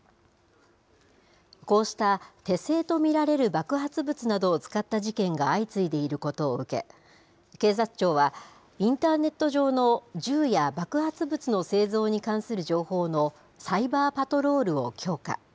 こうした手製と見られる爆発物などを使った事件が相次いでいることを受け、警察庁は、インターネット上の銃や爆発物の製造に関する情報のサイバーパトロールを強化。